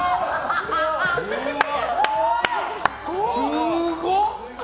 すごっ！